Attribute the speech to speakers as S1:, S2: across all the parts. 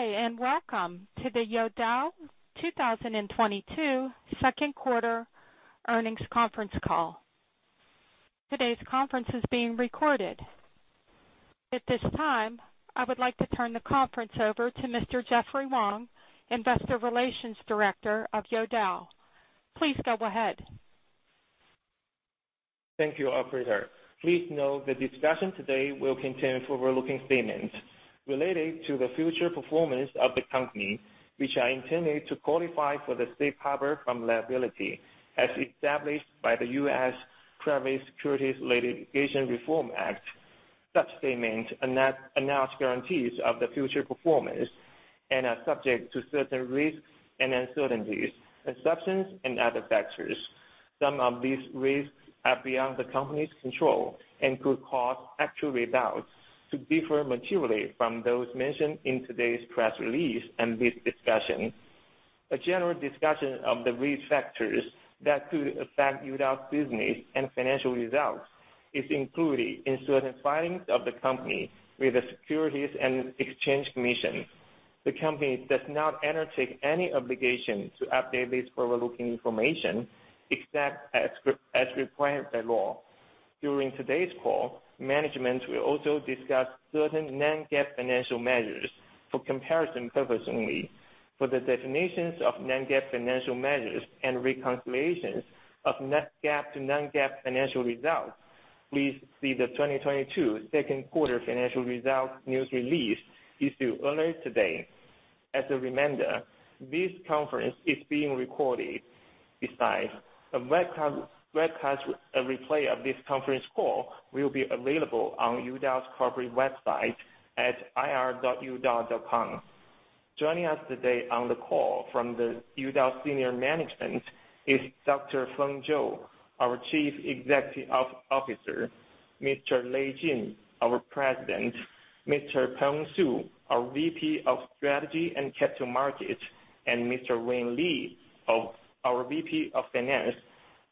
S1: Good day, and welcome to the Youdao 2022 second quarter earnings conference call. Today's conference is being recorded. At this time, I would like to turn the conference over to Mr. Jeffrey Wang, Investor Relations Director of Youdao. Please go ahead.
S2: Thank you, operator. Please note the discussion today will contain forward-looking statements relating to the future performance of the company, which I intend to qualify for the safe harbor from liability as established by the U.S. Private Securities Litigation Reform Act. Such statements are not guarantees of the future performance and are subject to certain risks and uncertainties, assumptions and other factors. Some of these risks are beyond the company's control and could cause actual results to differ materially from those mentioned in today's press release and this discussion. A general discussion of the risk factors that could affect Youdao's business and financial results is included in certain filings of the company with the Securities and Exchange Commission. The company does not undertake any obligation to update this forward-looking information except as required by law. During today's call, management will also discuss certain non-GAAP financial measures for comparison purposes only. For the definitions of non-GAAP financial measures and reconciliations of net GAAP to non-GAAP financial results, please see the 2022 second quarter financial results news release issued earlier today. As a reminder, this conference is being recorded. Besides, a webcast replay of this conference call will be available on Youdao's corporate website at ir.youdao.com. Joining us today on the call from the Youdao senior management is Dr. Feng Zhou, our Chief Executive Officer, Mr. Lei Jin, our President, Mr. Peng Su, our VP of Strategy and Capital Markets, and Mr. Wayne Li, our VP of Finance.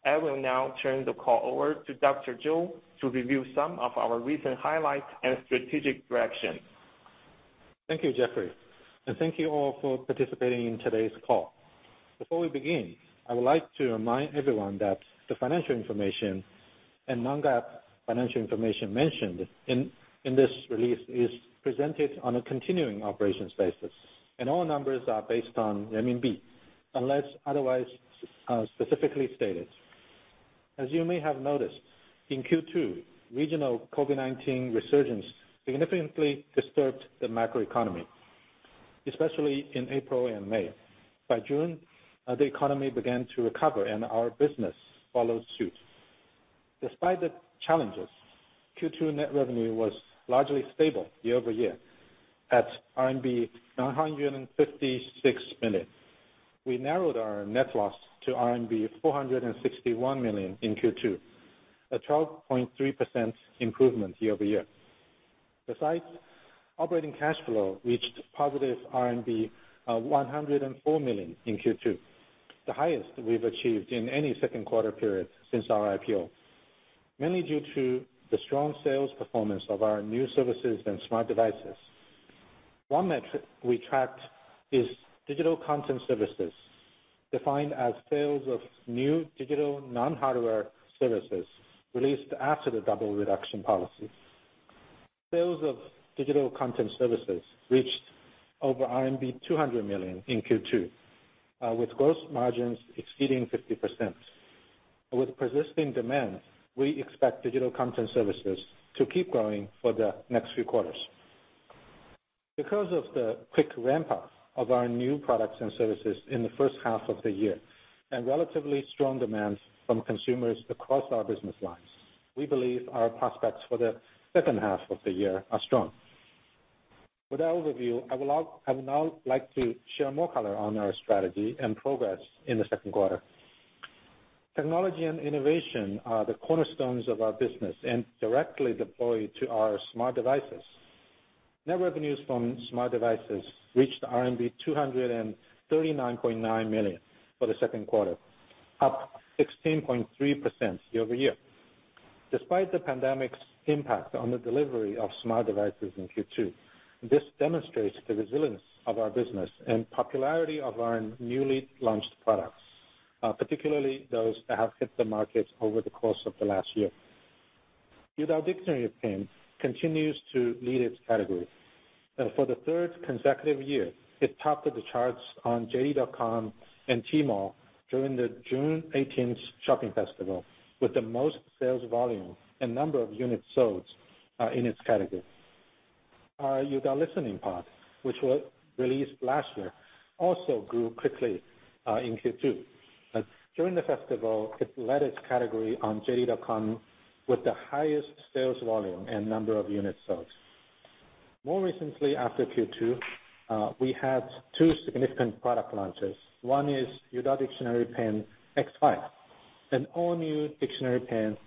S2: I will now turn the call over to Dr. Zhou to review some of our recent highlights and strategic direction.
S3: Thank you, Jeffrey, and thank you all for participating in today's call. Before we begin, I would like to remind everyone that the financial information and non-GAAP financial information mentioned in this release is presented on a continuing operations basis, and all numbers are based on renminbi, unless otherwise specifically stated. As you may have noticed, in Q2, regional COVID-19 resurgence significantly disturbed the macroeconomy, especially in April and May. By June, the economy began to recover, and our business followed suit. Despite the challenges, Q2 net revenue was largely stable year-over-year at RMB 956 million. We narrowed our net loss to RMB 461 million in Q2, a 12.3% improvement year-over-year. Besides, operating cash flow reached positive RMB 104 million in Q2, the highest we've achieved in any second quarter period since our IPO, mainly due to the strong sales performance of our new services and smart devices. One metric we tracked is digital content services, defined as sales of new digital non-hardware services released after the double reduction policy. Sales of digital content services reached over RMB 200 million in Q2, with gross margins exceeding 50%. With persisting demand, we expect digital content services to keep growing for the next few quarters. Because of the quick ramp up of our new products and services in the first half of the year and relatively strong demand from consumers across our business lines, we believe our prospects for the second half of the year are strong. With that overview, I would now like to share more color on our strategy and progress in the second quarter. Technology and innovation are the cornerstones of our business and directly deploy to our smart devices. Net revenues from smart devices reached RMB 239.9 million for the second quarter, up 16.3% year over year. Despite the pandemic's impact on the delivery of smart devices in Q2, this demonstrates the resilience of our business and popularity of our newly launched products, particularly those that have hit the markets over the course of the last year. Youdao Dictionary Pen continues to lead its category. For the third consecutive year, it topped the charts on JD.com and Tmall during the June 18 shopping festival with the most sales volume and number of units sold, in its category. Our Youdao Listening Pod, which was released last year, also grew quickly in Q2. During the festival, it led its category on JD.com with the highest sales volume and number of units sold. More recently, after Q2, we had two significant product launches. One is Youdao Dictionary Pen X5, an all-new dictionary pen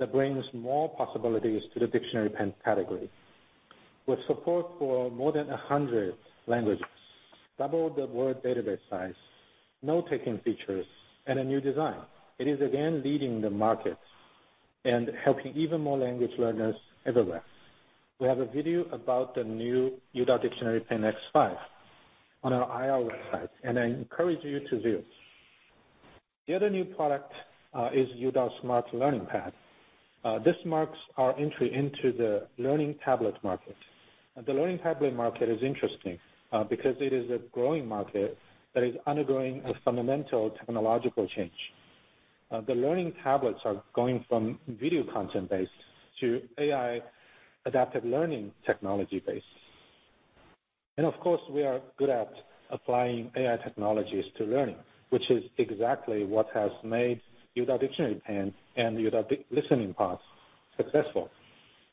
S3: that brings more possibilities to the dictionary pen category. With support for more than 100 languages, doubled the word database size, note-taking features, and a new design. It is again leading the market and helping even more language learners everywhere. We have a video about the new Youdao Dictionary Pen X5 on our IR website, and I encourage you to view. The other new product is Youdao Smart Learning Pad. This marks our entry into the learning tablet market. The learning tablet market is interesting, because it is a growing market that is undergoing a fundamental technological change. The learning tablets are going from video content-based to AI adaptive learning technology-based. Of course, we are good at applying AI technologies to learning, which is exactly what has made Youdao dictionary pen and Youdao listening pods successful.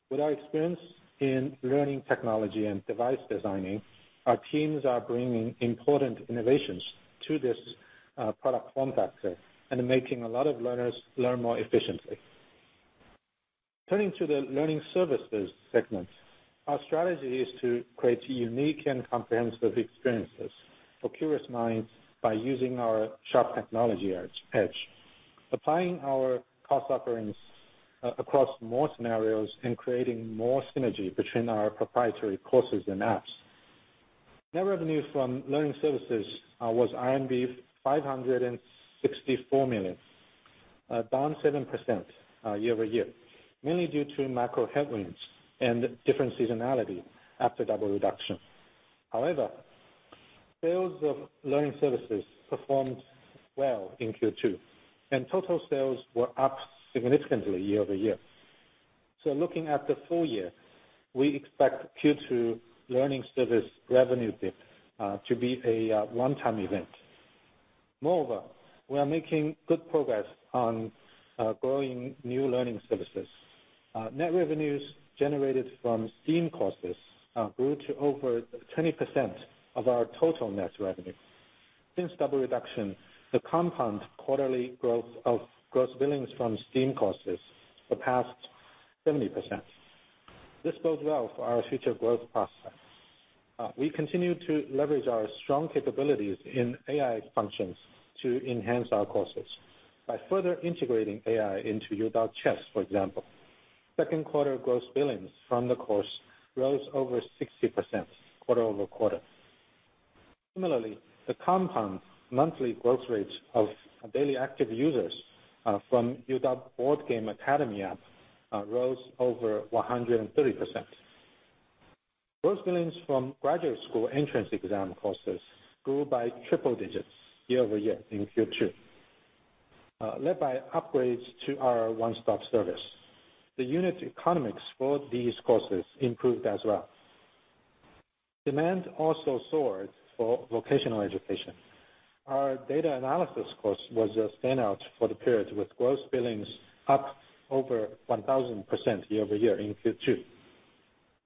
S3: With our experience in learning technology and device designing, our teams are bringing important innovations to this, product form factor and making a lot of learners learn more efficiently. Turning to the learning services segment, our strategy is to create unique and comprehensive experiences for curious minds by using our sharp technology edge, applying our course offerings across more scenarios, and creating more synergy between our proprietary courses and apps. Net revenue from learning services was RMB 564 million, down 7%, year over year, mainly due to macro headwinds and different seasonality after double reduction. However, sales of learning services performed well in Q2, and total sales were up significantly year over year. Looking at the full year, we expect Q2 learning service revenue dip to be a one-time event. Moreover, we are making good progress on growing new learning services. Net revenues generated from STEAM courses grew to over 20% of our total net revenue. Since double reduction, the compound quarterly growth of gross billings from STEAM courses surpassed 70%. This bodes well for our future growth process. We continue to leverage our strong capabilities in AI functions to enhance our courses. By further integrating AI into Youdao Chess, for example, second quarter gross billings from the course rose over 60% quarter-over-quarter. Similarly, the compound monthly growth rates of daily active users from Youdao Board Game Academy app rose over 130%. Gross billings from graduate school entrance exam courses grew by triple digits year-over-year in Q2, led by upgrades to our one-stop service. The unit economics for these courses improved as well. Demand also soared for vocational education. Our data analysis course was a standout for the period, with gross billings up over 1,000% year-over-year in Q2.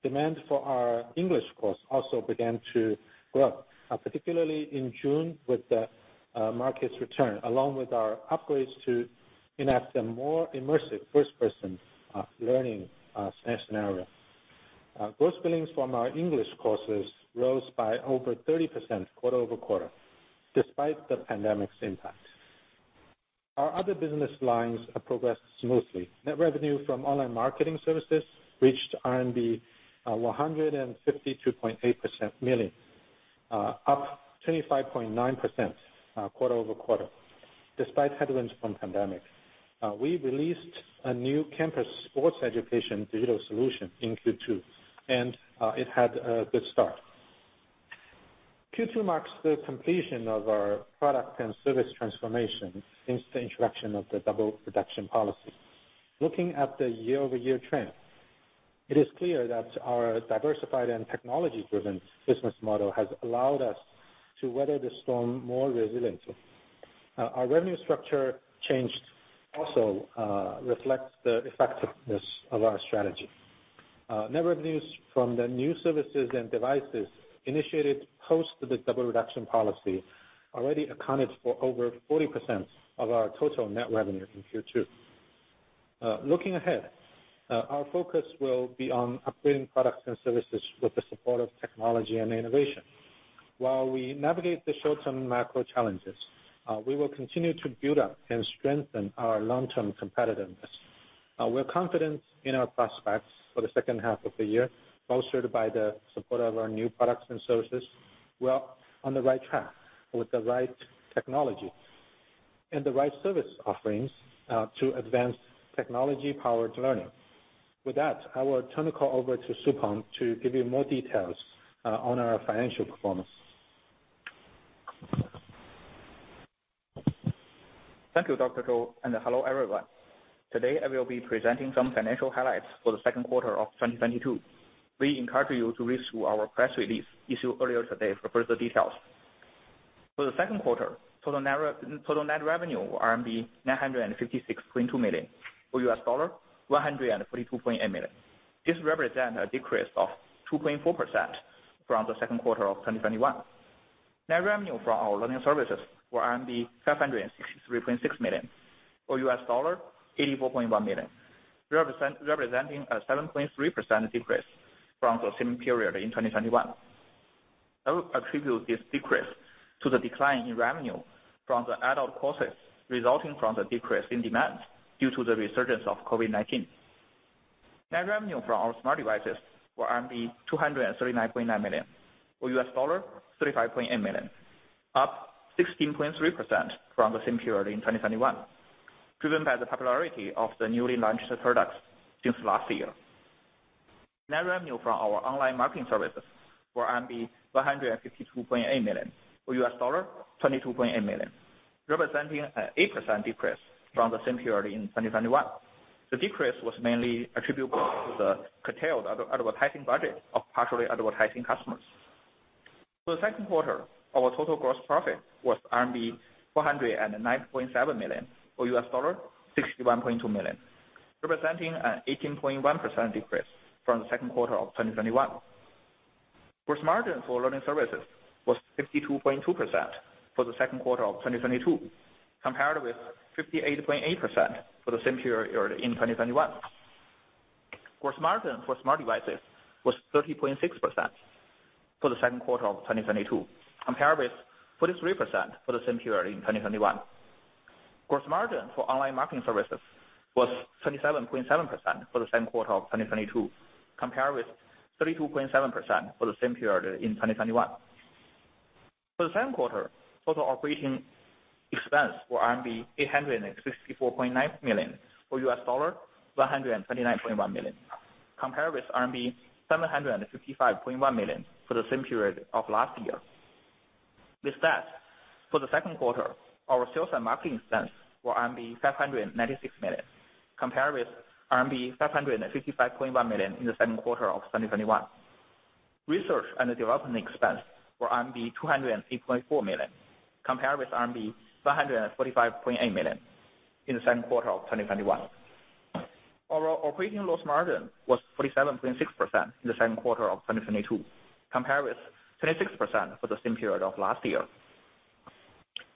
S3: Demand for our English course also began to grow, particularly in June with the market's return, along with our upgrades to enact a more immersive first-person learning scenario. Gross billings from our English courses rose by over 30% quarter-over-quarter despite the pandemic's impact. Our other business lines have progressed smoothly. Net revenue from online marketing services reached RMB 152.8 million, up 25.9% quarter-over-quarter. Despite headwinds from pandemic, we released a new campus sports education digital solution in Q2, and it had a good start. Q2 marks the completion of our product and service transformation since the introduction of the double reduction policy. Looking at the year-over-year trend, it is clear that our diversified and technology-driven business model has allowed us to weather the storm more resiliently. Our revenue structure change also reflects the effectiveness of our strategy. Net revenues from the new services and devices initiated post the double reduction policy already accounted for over 40% of our total net revenue in Q2. Looking ahead, our focus will be on upgrading products and services with the support of technology and innovation. While we navigate the short-term macro challenges, we will continue to build up and strengthen our long-term competitiveness. We're confident in our prospects for the second half of the year, bolstered by the support of our new products and services. We're on the right track with the right technology and the right service offerings to advance technology-powered learning. With that, I will turn the call over to Peng Su to give you more details on our financial performance.
S4: Thank you, Dr. Zhou, and hello, everyone. Today, I will be presenting some financial highlights for the second quarter of 2022. We encourage you to read through our press release issued earlier today for further details. For the second quarter, total net revenue RMB 956.2 million, or $142.8 million. This represent a decrease of 2.4% from the second quarter of 2021. Net revenue for our learning services were RMB 563.6 million, or $84.1 million. Representing a 7.3% decrease from the same period in 2021. I would attribute this decrease to the decline in revenue from the adult courses resulting from the decrease in demand due to the resurgence of COVID-19. Net revenue from our smart devices were RMB 239.9 million, or $35.8 million, up 16.3% from the same period in 2021, driven by the popularity of the newly launched products since last year. Net revenue from our online marketing services were RMB 152.8 million, or $22.8 million, representing an 8% decrease from the same period in 2021. The decrease was mainly attributable to the curtailed advertising budget of particular advertising customers. For the second quarter, our total gross profit was RMB 409.7 million, or $61.2 million, representing an 18.1% decrease from the second quarter of 2021. Gross margin for learning services was 62.2% for the second quarter of 2022, compared with 58.8% for the same period in 2021. Gross margin for smart devices was 30.6% for the second quarter of 2022, compared with 43% for the same period in 2021. Gross margin for online marketing services was 27.7% for the second quarter of 2022, compared with 32.7% for the same period in 2021. For the second quarter, total operating expenses were RMB 864.9 million, or $129.1 million, compared with RMB 755.1 million for the same period of last year. With that, for the second quarter, our sales and marketing expense were RMB 596 million, compared with RMB 555.1 million in the second quarter of 2021. Research and development expense were RMB 203.4 million, compared with RMB 345.8 million in the second quarter of 2021. Our operating loss margin was 47.6% in the second quarter of 2022, compared with 26% for the same period of last year.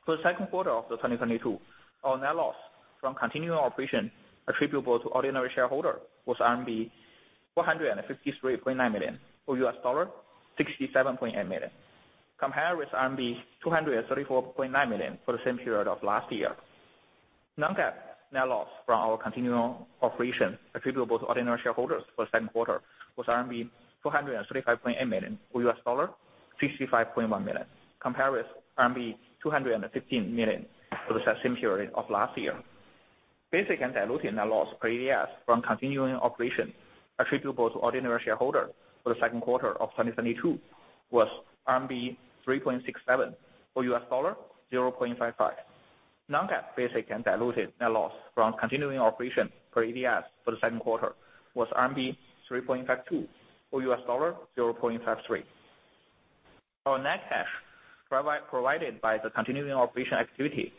S4: For the second quarter of 2022, our net loss from continuing operation attributable to ordinary shareholder was RMB 453.9 million, or $67.8 million, compared with RMB 234.9 million for the same period of last year. Non-GAAP net loss from our continuing operations attributable to ordinary shareholders for the second quarter was RMB 435.8 million, or $65.1 million, compared with RMB 215 million for the same period of last year. Basic and diluted net loss per ADS from continuing operations attributable to ordinary shareholders for the second quarter of 2022 was RMB 3.67, or $0.55. Non-GAAP basic and diluted net loss from continuing operations per ADS for the second quarter was RMB 3.52, or $0.53. Our net cash provided by continuing operations activities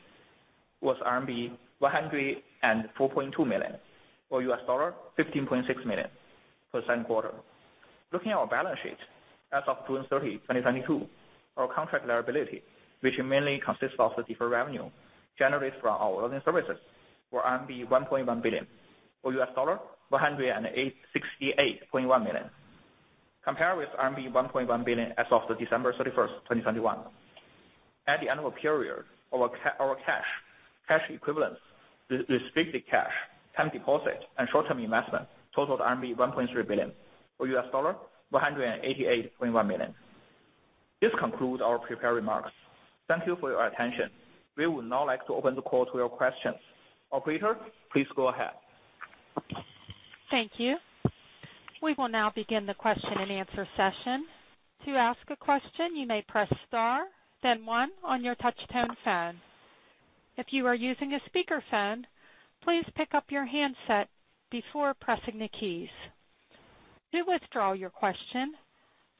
S4: was RMB 104.2 million, or $15.6 million for the second quarter. Looking at our balance sheet, as of June 30, 2022, our contract liability, which mainly consists of the deferred revenue generated from our learning services, were RMB 1.1 billion, or $168.1 million, compared with RMB 1.1 billion as of December 31, 2021. At the end of a period, our cash equivalents, restricted cash, time deposit, and short-term investment totaled RMB 1.3 billion, or $188.1 million. This concludes our prepared remarks. Thank you for your attention. We would now like to open the call to your questions. Operator, please go ahead.
S1: Thank you. We will now begin the question and answer session. To ask a question, you may press star then one on your touch tone phone. If you are using a speaker phone, please pick up your handset before pressing the keys. To withdraw your question,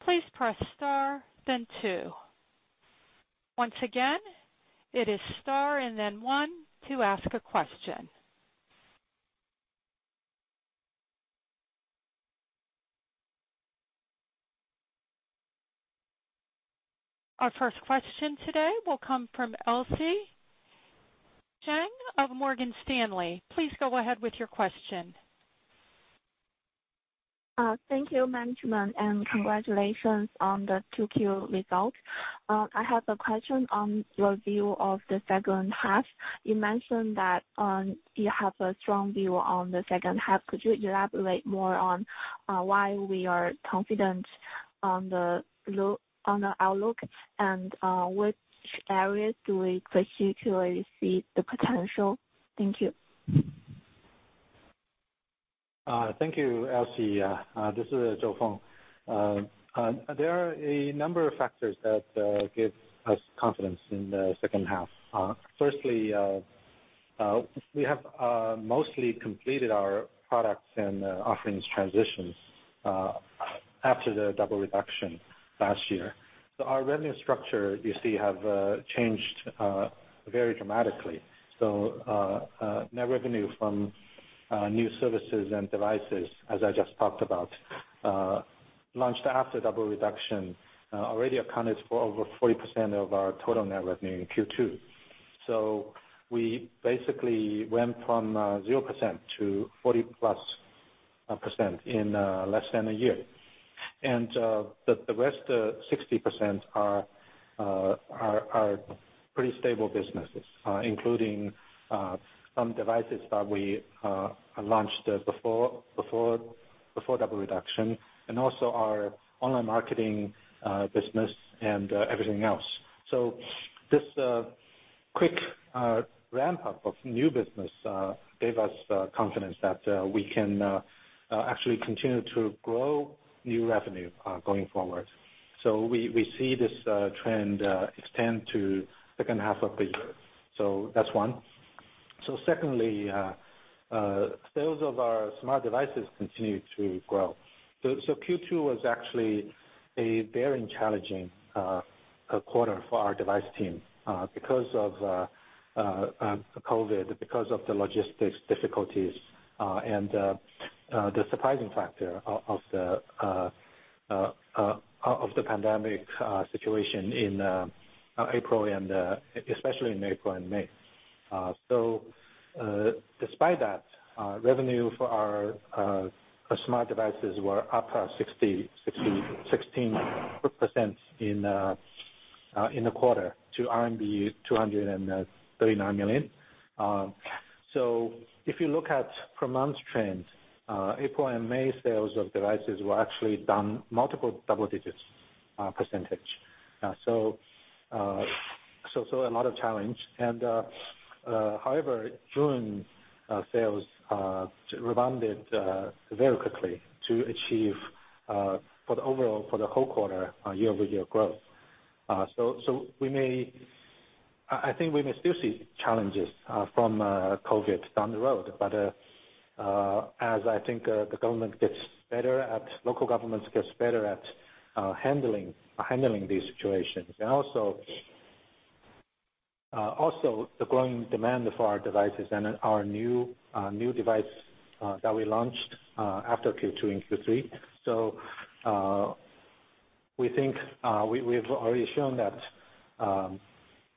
S1: please press star then two. Once again, it is star and then one to ask a question. Our first question today will come from Elsie Wang of Morgan Stanley. Please go ahead with your question.
S5: Thank you, management, and congratulations on the 2Q results. I have a question on your view of the second half. You mentioned that you have a strong view on the second half. Could you elaborate more on why we are confident on the outlook? Which areas do we particularly see the potential? Thank you.
S3: Thank you, Elsie. This is Feng Zhou. There are a number of factors that give us confidence in the second half. Firstly, we have mostly completed our products and offerings transitions after the double reduction last year. Our revenue structure, you see, have changed very dramatically. Net revenue from new services and devices, as I just talked about, launched after double reduction, already accounted for over 40% of our total net revenue in Q2. We basically went from 0% to 40+% in less than a year. The rest 60% are pretty stable businesses, including some devices that we launched before double reduction and also our online marketing business and everything else. This quick ramp-up of new business gave us confidence that we can actually continue to grow new revenue going forward. We see this trend extend to second half of the year. That's one. Secondly, sales of our smart devices continue to grow. Q2 was actually a very challenging quarter for our device team because of COVID, because of the logistics difficulties, and the surprising factor of the pandemic situation in April and especially in April and May. Despite that, revenue for our smart devices was up 16% in the quarter to RMB 239 million. If you look at per month trends, April and May sales of devices were actually down multiple double digits percentage. A lot of challenge. However, June sales rebounded very quickly to achieve, for the overall, for the whole quarter, year-over-year growth. We may... I think we may still see challenges from COVID down the road, but as local governments get better at handling these situations. The growing demand for our devices and our new device that we launched after Q2 and Q3. We think we've already shown that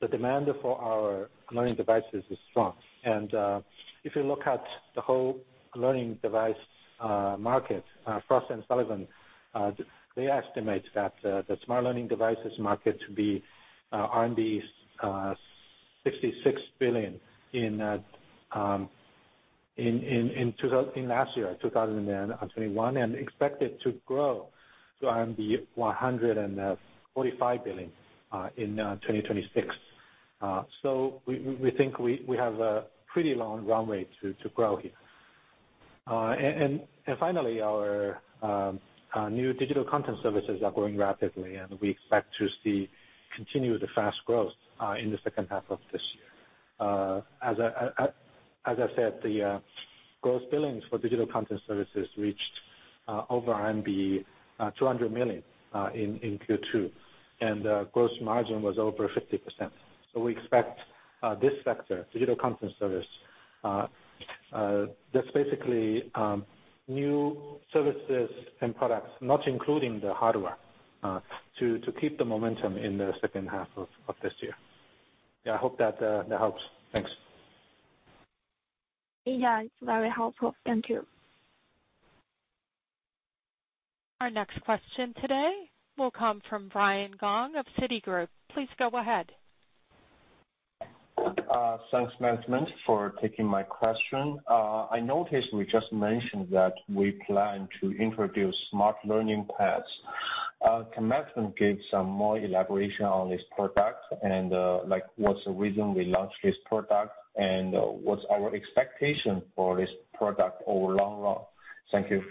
S3: the demand for our learning devices is strong. If you look at the whole learning device market, Frost & Sullivan, they estimate that the smart learning devices market to be 66 billion in last year, 2021, and expected to grow to 145 billion in 2026. We think we have a pretty long runway to grow here. Finally, our new digital content services are growing rapidly, and we expect to see continued fast growth in the second half of this year. As I said, the gross billings for digital content services reached over RMB 200 million in Q2, and gross margin was over 50%. We expect this sector, digital content service, that's basically new services and products, not including the hardware, to keep the momentum in the second half of this year. Yeah, I hope that helps. Thanks.
S5: Yeah, it's very helpful. Thank you.
S1: Our next question today will come from Brian Gong of Citigroup. Please go ahead.
S6: Thanks management for taking my question. I noticed we just mentioned that we plan to introduce smart learning paths. Can management give some more elaboration on this product and, like, what's the reason we launched this product and, what's our expectation for this product over long run? Thank you.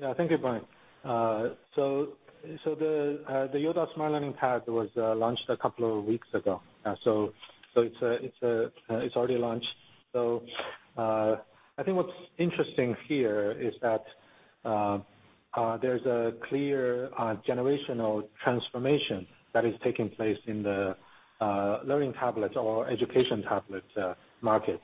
S3: Yeah. Thank you, Brian. The Youdao Smart Learning Pad was launched a couple of weeks ago. It's already launched. I think what's interesting here is that there's a clear generational transformation that is taking place in the learning tablet or education tablet market.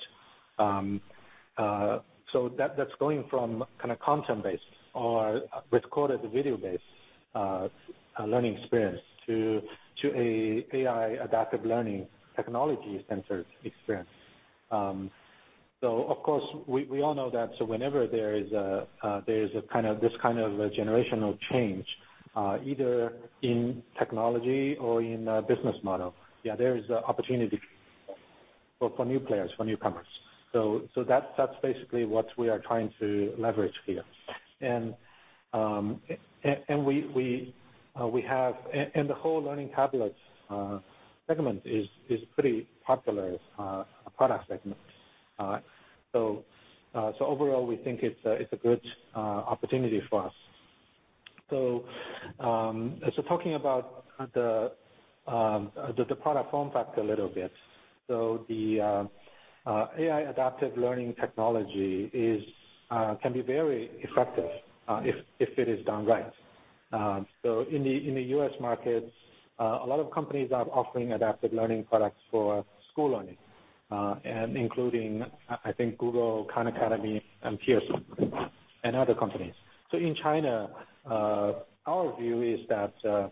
S3: That's going from kinda content-based or recorded video-based learning experience to a AI adaptive learning technology-centered experience. Of course, we all know that whenever there is this kind of a generational change either in technology or in a business model, yeah, there is opportunity for new players, for newcomers. That's basically what we are trying to leverage here. The whole learning tablet segment is pretty popular product segment. Overall, we think it's a good opportunity for us. Talking about the product form factor a little bit. The AI adaptive learning technology can be very effective if it is done right. In the U.S. market, a lot of companies are offering adaptive learning products for school learning, including, I think, Google, Khan Academy, and Pearson, and other companies. In China, our view is that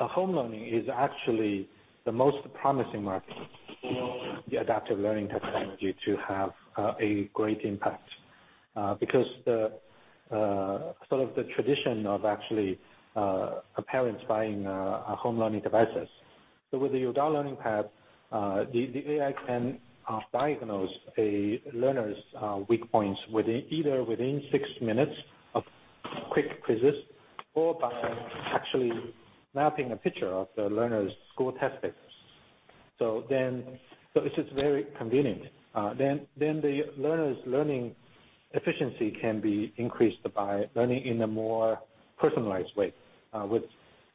S3: a home learning is actually the most promising market for the adaptive learning technology to have a great impact. Because the sort of the tradition of actually parents buying home learning devices. With the Youdao Smart Learning Pad, the AI can diagnose a learner's weak points within either six minutes of quick quizzes or by actually mapping a picture of the learner's school test papers. This is very convenient. The learner's learning efficiency can be increased by learning in a more personalized way, with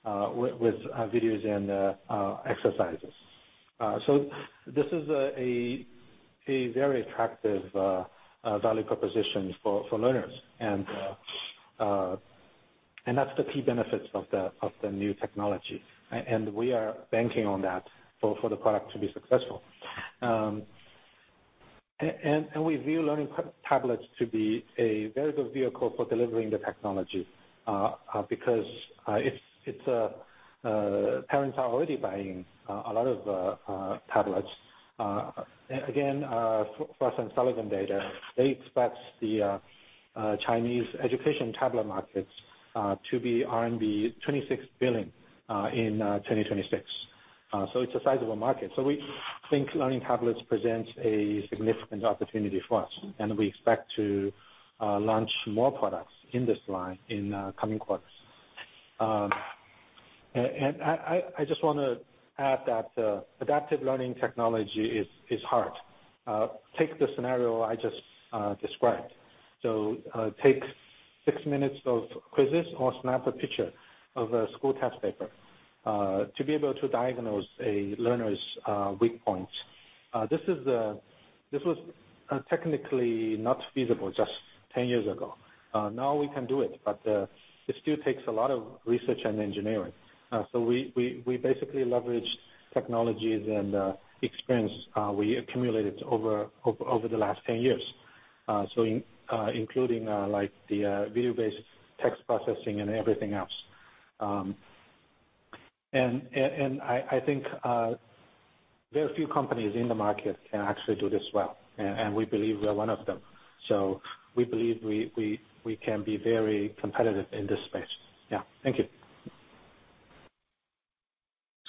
S3: videos and exercises. This is a very attractive value proposition for learners. That's the key benefits of the new technology, and we are banking on that for the product to be successful. We view learning tablets to be a very good vehicle for delivering the technology, because parents are already buying a lot of tablets. Again, for Frost & Sullivan data, they expect the Chinese education tablet market to be RMB 26 billion in 2026. It's a sizable market. We think learning tablets presents a significant opportunity for us, and we expect to launch more products in this line in coming quarters. I just wanna add that adaptive learning technology is hard. Take the scenario I just described. Take six minutes of quizzes or snap a picture of a school test paper to be able to diagnose a learner's weak points. This was technically not feasible just 10 years ago. Now we can do it, but it still takes a lot of research and engineering. We basically leverage technologies and experience we accumulated over the last 10 years, including like the video-based text processing and everything else. I think very few companies in the market can actually do this well, and we believe we're one of them. We believe we can be very competitive in this space. Yeah. Thank you.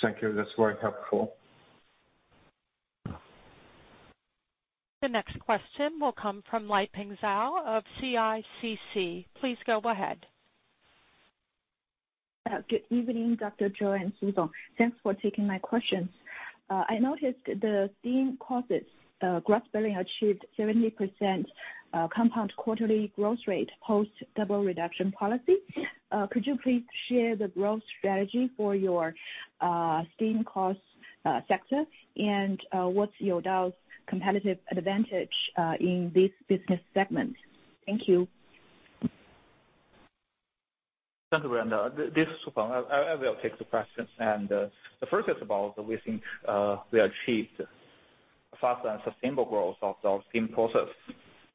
S6: Thank you. That's very helpful.
S1: The next question will come from Liping Zhao of CICC. Please go ahead.
S7: Good evening, Dr. Zhou and Mr. Peng Su. Thanks for taking my questions. I noticed the STEAM courses gross billing achieved 70% compound quarterly growth rate post-double reduction policy. Could you please share the growth strategy for your STEAM course sector? What's Youdao's competitive advantage in this business segment? Thank you.
S4: Thank you, Liping Zhao. This is Su Peng. I will take the question. The first is about we think we achieved faster and sustainable growth of our STEAM process.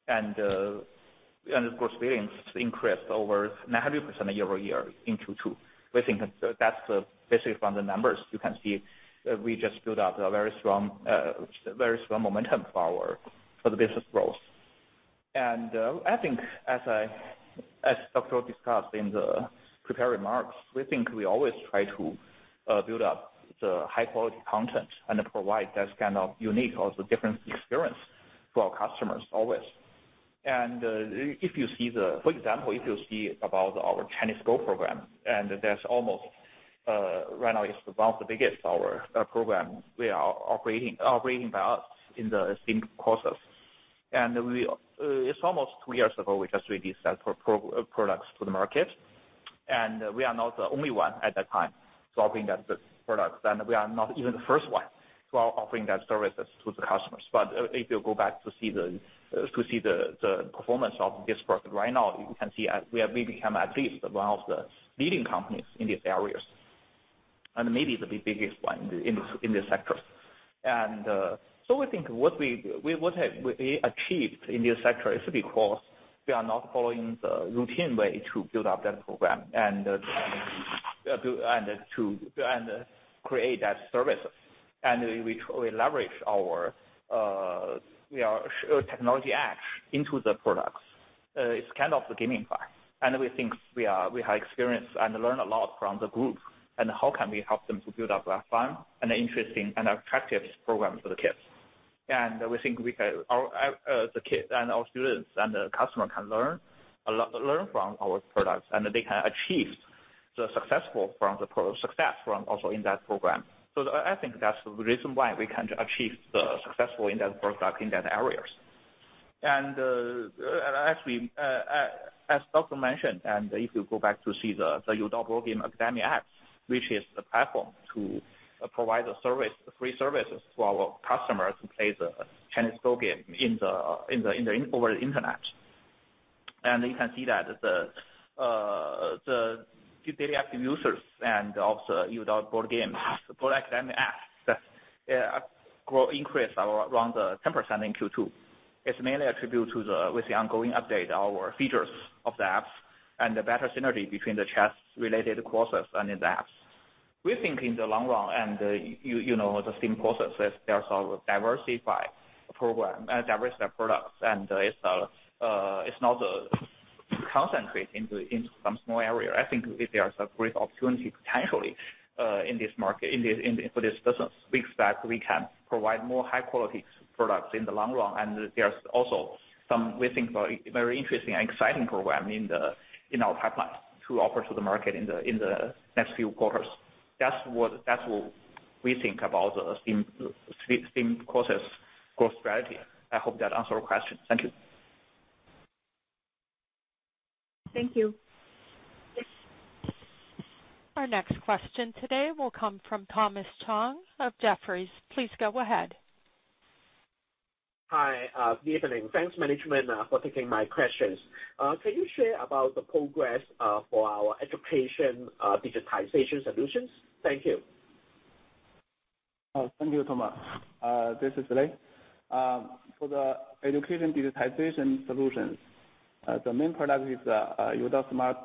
S4: Of course, billings increased over 100% year-over-year in Q2. We think that's basically from the numbers you can see we just built up a very strong momentum for the business growth. I think as Dr. Feng Zhou discussed in the prepared remarks, we think we always try to build up the high-quality content and provide that kind of unique, also different experience to our customers always. For example, if you see about our Chinese Go program, and that's almost right now it's about the biggest our program we are operating by us in the STEAM courses. It's almost two years ago, we just released that products to the market, and we are not the only one at that time offering that product. We are not even the first one to offering that services to the customers. If you go back to see the performance of this product right now, you can see we have maybe become at least one of the leading companies in these areas, and maybe the biggest one in this sector. We think what we have achieved in this sector is because we are not following the routine way to build up that program and to create that services. We leverage our technology apps into the products. It's kind of the gaming part. We think we have experience and learn a lot from the group, and how can we help them to build up a fun and interesting and attractive program for the kids. We think the kids and our students and the customer can learn a lot from our products, and they can achieve the successful from the success from also in that program. I think that's the reason why we can achieve the successful in that product, in that areas. Actually, as Dr. mentioned, and if you go back to see the Youdao Board Game Academy apps, which is the platform to provide the service, free services to our customers who play the Chinese Go game over the internet. You can see that the daily active users and also Youdao Board Game product MAU that increase around 10% in Q2. It's mainly attributed to with the ongoing update, our features of the apps and the better synergy between the chess-related courses and the apps. We think in the long run and you know, the same process as there's a diversified program and diversified products, and it's not concentrate into some small area. I think there's a great opportunity potentially in this market in the business space that we can provide more high-quality products in the long run. There's also some we think very interesting and exciting program in our pipeline to offer to the market in the next few quarters. That's what we think about the same process growth strategy. I hope that answered your question. Thank you.
S1: Thank you. Our next question today will come from Thomas Chong of Jefferies. Please go ahead.
S8: Hi. Good evening. Thanks, management, for taking my questions. Can you share about the progress for our education digitization solutions? Thank you.
S9: Oh, thank you, Thomas. This is Lei. For the education digitization solutions, the main product is Youdao Smart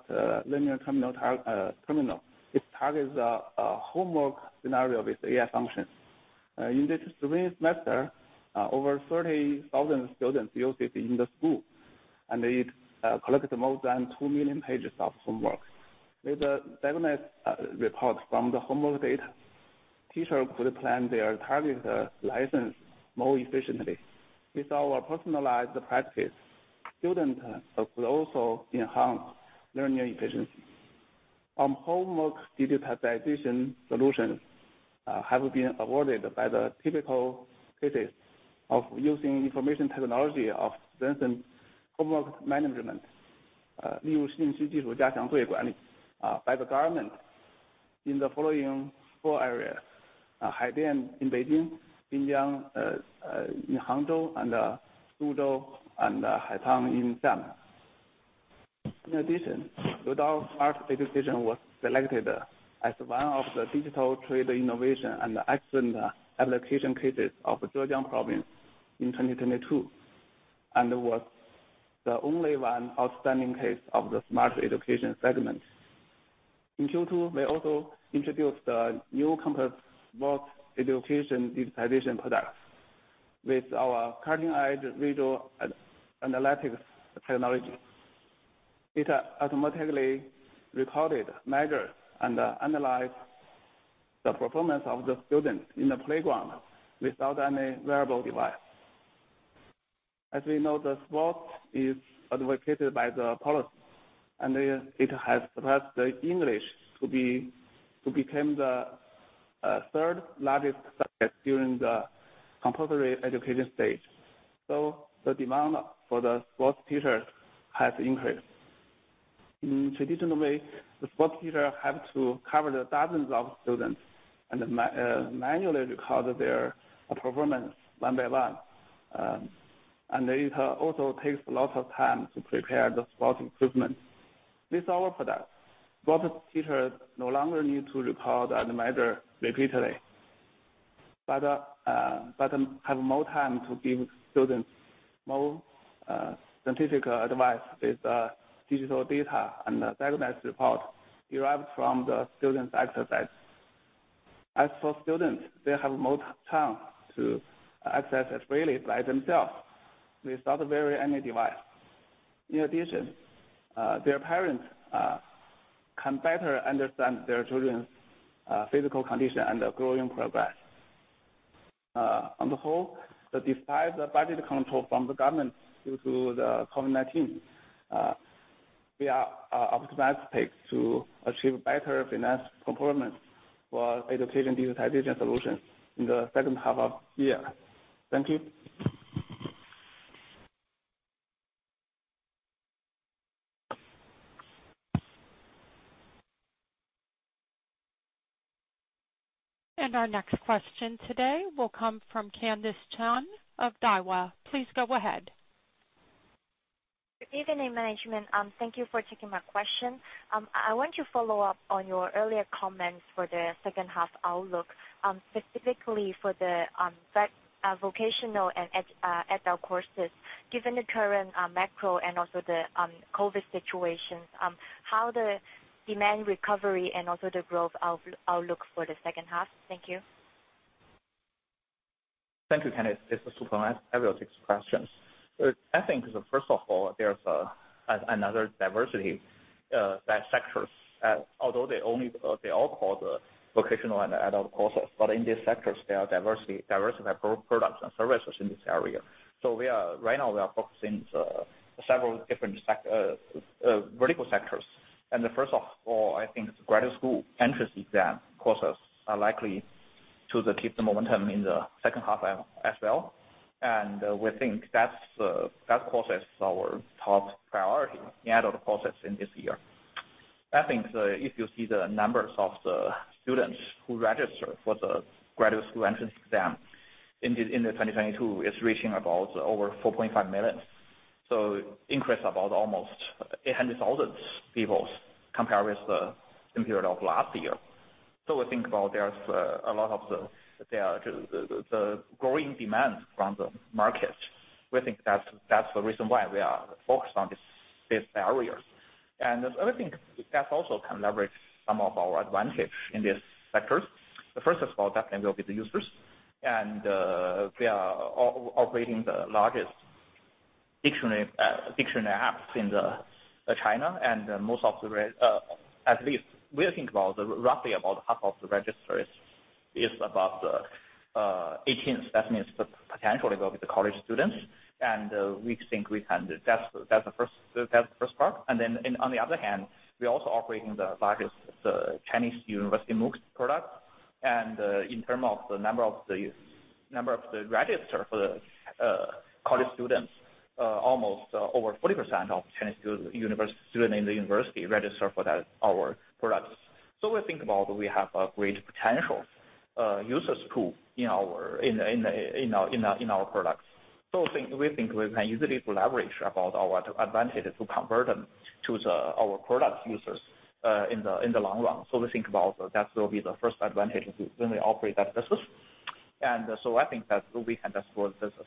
S9: learning terminal. It targets homework scenario with AI functions. In this semester, over 30,000 students use it in the school, and it collected more than 2 million pages of homework. With the diagnostic report from the homework data, teacher could plan their targeted lessons more efficiently. With our personalized practice, students could also enhance learning efficiency. Homework digitization solutions have been awarded as typical cases of using information technology to strengthen homework management by the government in the following four areas. Haidian in Beijing, Binjiang in Hangzhou, and Suzhou and Haicang in Xiamen. In addition, Youdao Smart Education was selected as one of the digital trade innovation and excellent application cases of Zhejiang Province in 2022, and was the only one outstanding case of the smart education segment. In Q2, we also introduced a new comprehensive sports education digitization product with our cutting-edge visual analytics technology. It automatically recorded, measures, and analyze the performance of the students in the playground without any wearable device. As we know, sports is advocated by the policy, and it has surpassed English to become the third largest subject during the compulsory education stage, so the demand for the sports teacher has increased. In traditional way, the sports teacher have to cover the thousands of students and manually record their performance one by one. It also takes a lot of time to prepare the sports equipment. With our product, sports teachers no longer need to record and measure repeatedly, but have more time to give students more scientific advice with the digital data and the diagnosis report derived from the students' exercise. As for students, they have more time to exercise freely by themselves without wearing any device. In addition, their parents can better understand their children's physical condition and their growing progress. On the whole, despite the budget control from the government due to the COVID-19, we are optimistic to achieve better financial performance for education digitization solutions in the second half of the year. Thank you.
S1: Our next question today will come from Candis Chan of Daiwa. Please go ahead.
S10: Good evening, management. Thank you for taking my question. I want to follow up on your earlier comments for the second half outlook, specifically for the vocational and adult courses. Given the current macro and also the COVID situation, how the demand recovery and also the growth outlook for the second half? Thank you.
S4: Thank you, Candis. This is Su Peng. I will take this question. I think first of all, there's another diversity in those sectors, although they all call the vocational and adult courses, but in these sectors, there are diversified products and services in this area. Right now we are focusing on several different vertical sectors. First of all, I think graduate school entrance exam courses are likely to keep the momentum in the second half as well. We think that's the course is our top priority in adult courses this year. I think if you see the numbers of the students who register for the graduate school entrance exam in 2022, it's reaching about over 4.5 million. Increase about almost 800,000 people compared with the same period of last year. We think about there's a lot of the growing demand from the market. We think that's the reason why we are focused on this area. Another thing that also can leverage some of our advantage in these sectors. The first is about definitely will be the users. We are operating the largest dictionary apps in China, and most of the, at least we think about roughly about half of the registrants is about 18. That means potentially will be the college students. We think we can. That's the first part. On the other hand, we're also operating the largest Chinese university MOOCs product. In terms of the number of registrations for college students, almost over 40% of Chinese university students register for our products. We think that we have a great potential user base in our products. We think we can easily leverage our advantages to convert them to our product users in the long run. We think that will be the first advantage when we operate that business. I think that we can just grow the business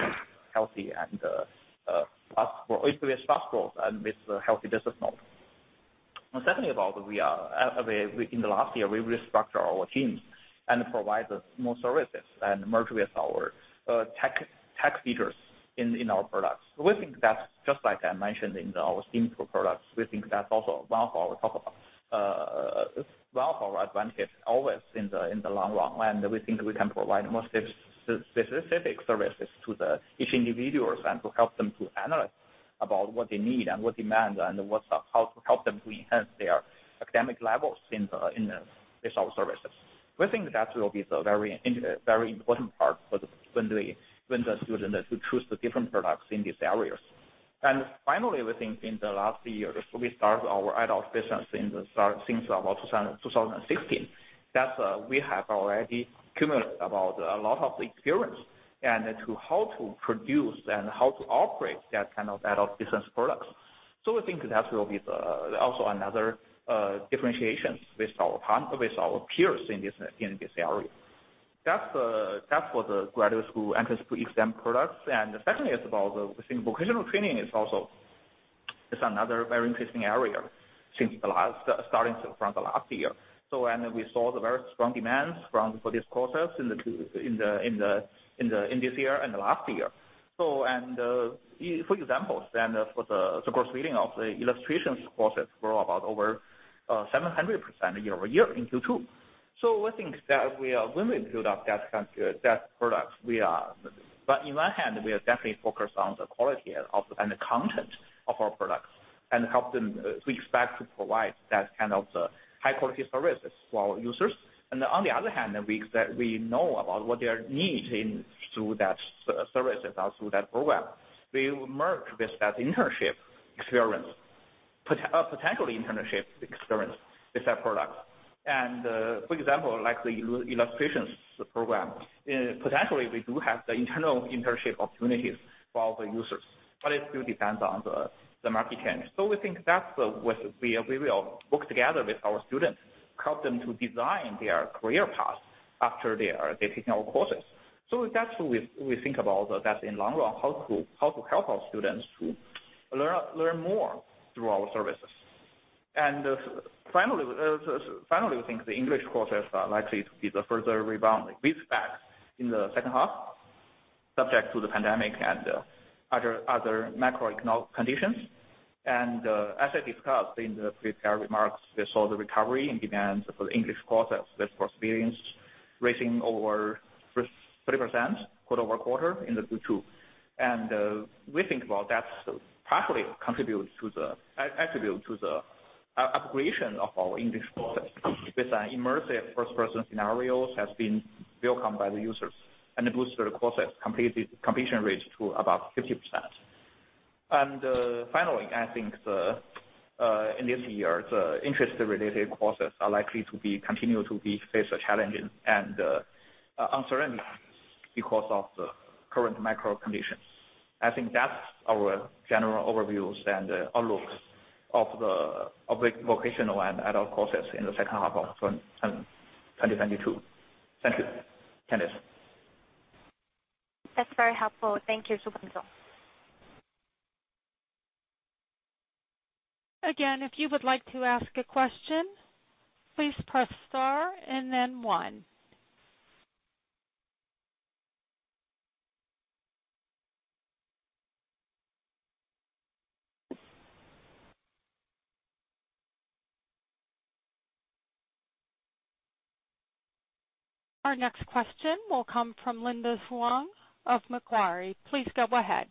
S4: healthy and it will be a fast growth and with a healthy business model. In the last year, we restructure our teams and provide more services and merge with our tech features in our products. We think that's just like I mentioned in our STEAM products. We think that's also one of our advantage always in the long run. We think we can provide more specific services to the each individuals and to help them to analyze about what they need and what demand and how to help them to enhance their academic levels in the result services. We think that will be the very important part for when the student is to choose the different products in these areas. Finally, we think in the last year, we start our adult business since about 2016. That, we have already accumulated about a lot of experience and to how to produce and how to operate that kind of adult business products. We think that will be the also another differentiations with our peers in this area. That's for the graduate school entrance exam products. Secondly is about the. I think vocational training is also another very interesting area starting from the last year. We saw the very strong demands for these courses in this year and the last year. For example, for the course reading of the illustrations courses grew over 700% year-over-year in Q2. We think that we are willing to build up that kind of product. But on one hand, we are definitely focused on the quality and the content of our products. We expect to provide that kind of high quality services for our users. On the other hand, we know about what their needs and through those services or through that program. We merge that internship experience, potential internship experience with that product. For example, like the illustrations program, potentially we do have the internal internship opportunities for the users, but it still depends on the market change. We think that's the way we will work together with our students, help them to design their career path after they are taking our courses. That's what we think about that in the long run, how to help our students to learn more through our services. Finally, we think the English courses are likely to further rebound with that in the second half, subject to the pandemic and other macroeconomic conditions. As I discussed in the prepared remarks, we saw the recovery in demand for the English courses. This course experienced a raise of over 30% quarter-over-quarter in the Q2. We think that's partly contributes to attributable to the upgradation of our English courses with an immersive first-person scenarios has been welcomed by the users and it boosts the courses completion rate to about 50%. Finally, I think in this year, the interest-related courses are likely to continue to face challenges and uncertainty because of the current macro conditions. I think that's our general overviews and outlooks of the vocational and adult courses in the second half of 2022. Thank you, Candis Chan.
S10: That's very helpful. Thank you, Peng Su.
S1: Again, if you would like to ask a question, please press star and then one. Our next question will come from Linda Huang of Macquarie. Please go ahead.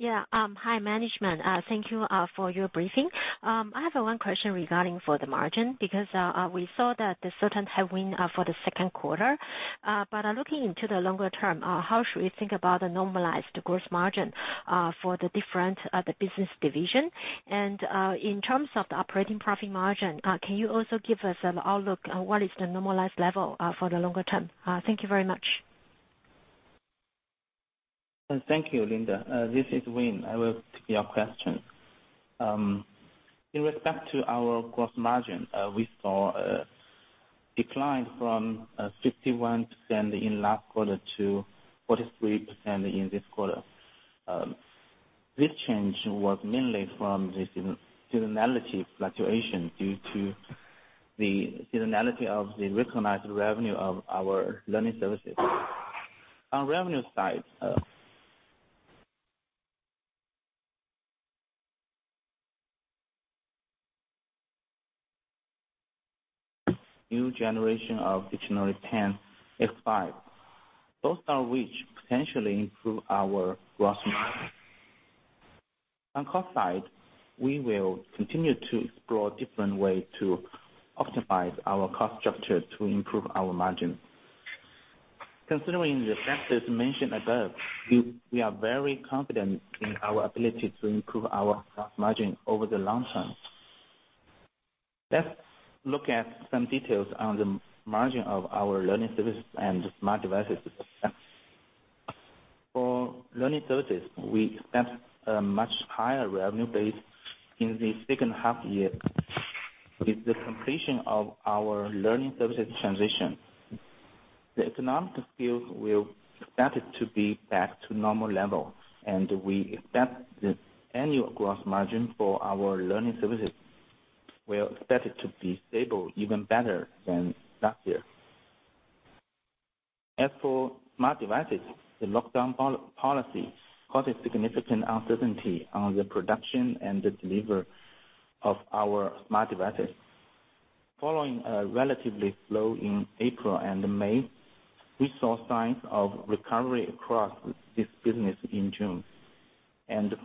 S11: Yeah. Hi, management. Thank you for your briefing. I have one question regarding the margin, because we saw the current tailwind for the second quarter. Looking into the longer term, how should we think about the normalized gross margin for the different business division? In terms of the operating profit margin, can you also give us an outlook on what is the normalized level for the longer term? Thank you very much.
S12: Thank you, Linda Huang. This is Wayne Li. I will take your question. In respect to our gross margin, we saw a decline from 51% in last quarter to 43% in this quarter. This change was mainly from the seasonality fluctuation due to the seasonality of the recognized revenue of our learning services. On revenue side, new generation of Youdao Dictionary Pen X5. Both of which potentially improve our gross margin. On cost side, we will continue to explore different way to optimize our cost structure to improve our margin. Considering the factors mentioned above, we are very confident in our ability to improve our gross margin over the long term. Let's look at some details on the margin of our learning services and smart devices. For learning services, we expect a much higher revenue base in the second half of the year. With the completion of our learning services transition, the economic field will start to be back to normal level, and we expect the annual gross margin for our learning services to be stable, even better than last year. As for smart devices, the lockdown policy caused a significant uncertainty on the production and the delivery of our smart devices. Following a relatively slowdown in April and May, we saw signs of recovery across this business in June.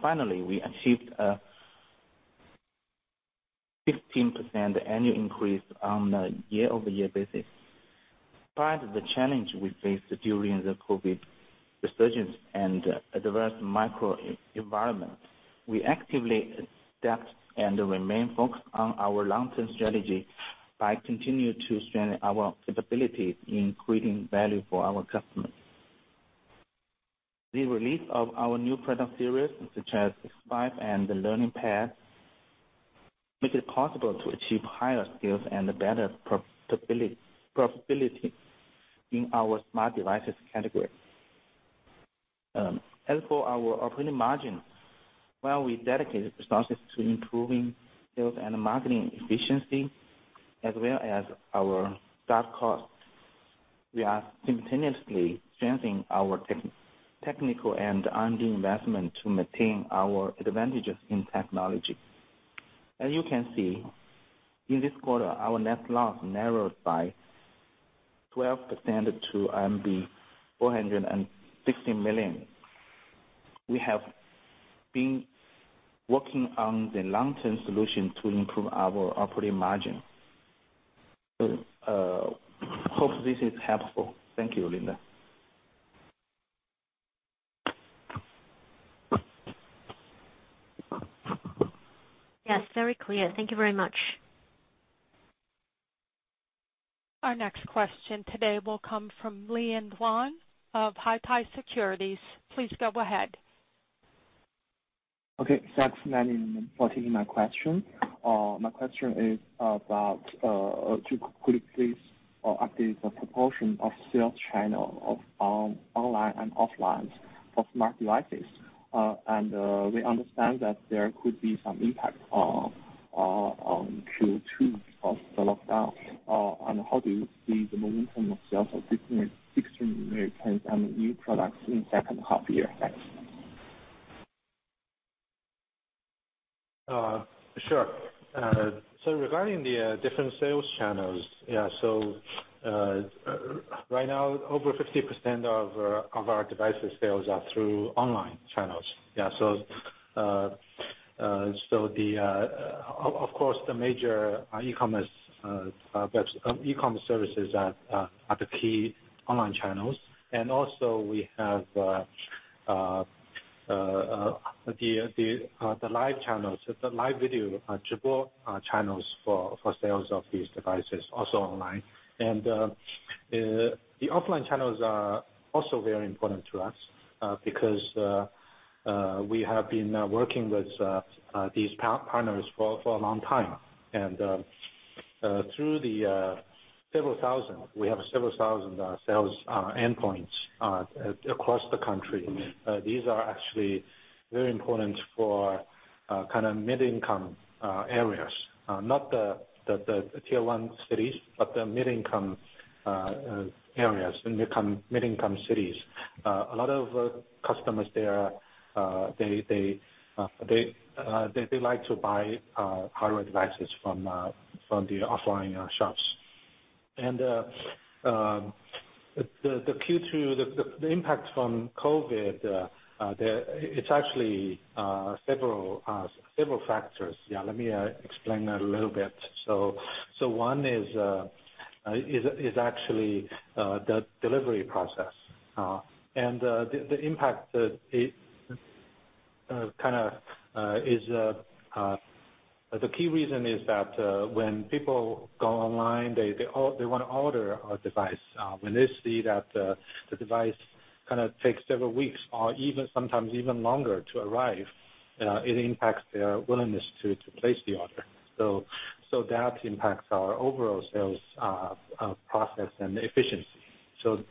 S12: Finally, we achieved a 15% annual increase on the year-over-year basis. Despite the challenge we faced during the COVID resurgence and adverse macro environment, we actively adapt and remain focused on our long-term strategy by continue to strengthen our capabilities in creating value for our customers. The release of our new product series, such as X5 and the Learning Pad, make it possible to achieve higher sales and better profitability in our smart devices category. As for our operating margin, while we dedicated resources to improving sales and marketing efficiency, as well as our stock costs, we are simultaneously strengthening our technical and R&D investment to maintain our advantages in technology. As you can see, in this quarter, our net loss narrowed by 12% to RMB 460 million. We have been working on the long-term solution to improve our operating margin. Hope this is helpful. Thank you, Linda.
S11: Yes, very clear. Thank you very much.
S1: Our next question today will come from Li Anduan of Huatai Securities. Please go ahead.
S13: Okay, thanks, madam, for taking my question. My question is about could you please update the proportion of sales channel of online and offline for smart devices? We understand that there could be some impact on Q2 of the lockdown. How do you see the momentum of sales of different extremely new products in second half year? Thanks.
S3: Sure. Regarding the different sales channels. Yeah, right now over 50% of our device sales are through online channels. Yeah, so, of course, the major e-commerce services are the key online channels. Also we have the live channels, the live streaming channels for sales of these devices, also online. The offline channels are also very important to us, because we have been working with these partners for a long time. We have several thousand sales endpoints across the country. These are actually very important for kind of middle-income areas. Not the tier one cities, but the mid-income areas, mid-income cities. A lot of customers there, they like to buy hardware devices from the offline shops. The Q2 impact from COVID. It's actually several factors. Yeah, let me explain a little bit. One is actually the delivery process, and the impact that it The key reason is that when people go online, they wanna order our device. When they see that the device kind of takes several weeks or even sometimes longer to arrive, it impacts their willingness to place the order. That impacts our overall sales process and efficiency.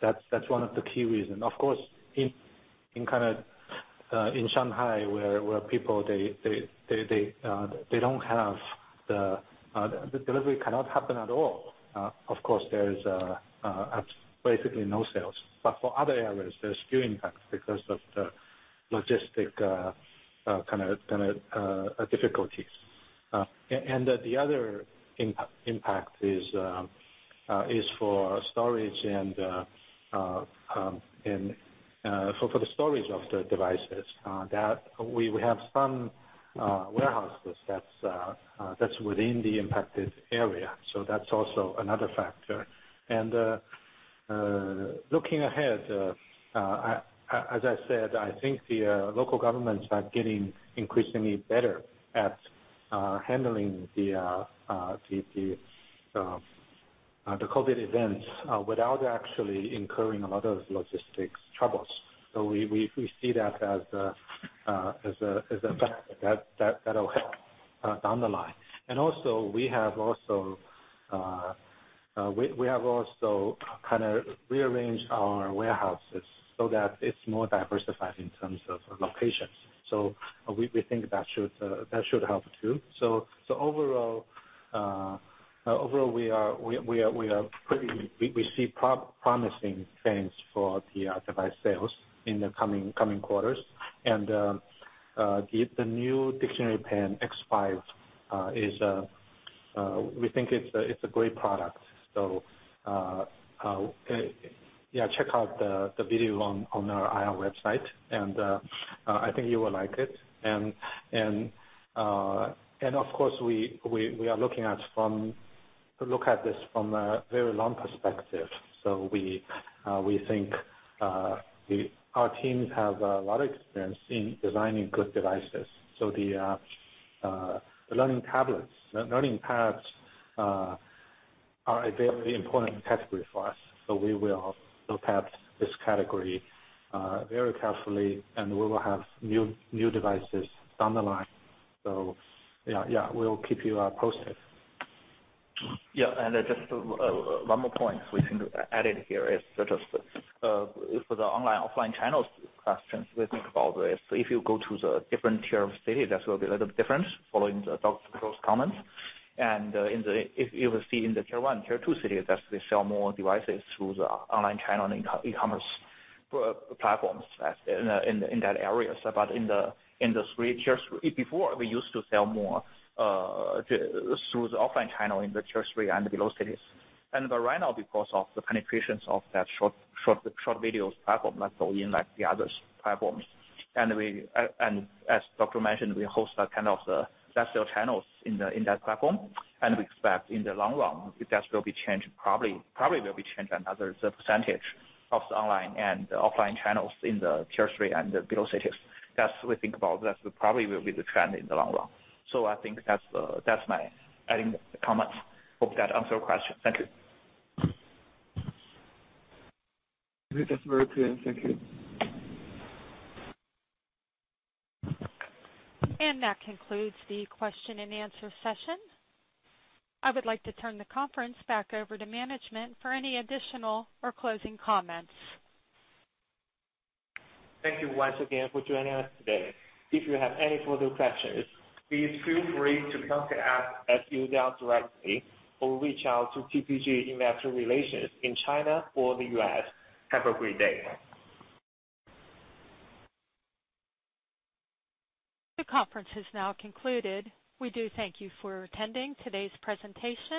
S3: That's one of the key reasons. Of course, kind of in Shanghai where the delivery cannot happen at all. Of course, there is basically no sales. For other areas, there's still impact because of the logistics kind of difficulties. The other impact is for storage and for the storage of the devices. That we have some warehouses that's within the impacted area, so that's also another factor. Looking ahead, as I said, I think the local governments are getting increasingly better at handling the COVID events without actually incurring a lot of logistics troubles. We see that as a factor that'll help down the line. We have also kinda rearranged our warehouses so that it's more diversified in terms of locations. We think that should help too. Overall, we see promising trends for the device sales in the coming quarters. The new dictionary pen X5 is a great product, we think. Yeah, check out the video on our IR website, and I think you will like it. Of course, we are looking at this from a very long perspective. We think our teams have a lot of experience in designing good devices. The learning tablets, learning pads are a very important category for us, so we will look at this category very carefully, and we will have new devices down the line. Yeah, we'll keep you posted.
S4: Yeah, just one more point we can add here is just for the online/offline channels questions. We think about is if you go to the different tier of city, that will be a little different following Dr. Zhou's comments. You will see in the tier one, tier two cities, that they sell more devices through the online channel and e-commerce platforms as in that area. But in the three tiers, before, we used to sell more through the offline channel in the tier three and below cities. Right now, because of the penetration of that short videos platform like Douyin, like the other platforms, and we, as Dr. mentioned, we host that kind of the best sales channels in that platform, and we expect in the long run that will be changed, probably will be changed another percentage of the online and offline channels in the Tier 3 and below cities. That's what we think about that probably will be the trend in the long run. I think that's my additional comments. Hope that answers your question. Thank you.
S13: That's very clear. Thank you.
S1: That concludes the question and answer session. I would like to turn the conference back over to management for any additional or closing comments.
S2: Thank you once again for joining us today. If you have any further questions, please feel free to contact us at Youdao directly or reach out to TPG Investor Relations in China or the U.S. Have a great day.
S1: The conference has now concluded. We do thank you for attending today's presentation.